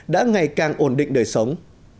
đã ngày càng ổn định đời sống